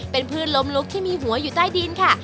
เป็นพืชล้มลุกที่มีหัวอยู่ใต้ดินค่ะ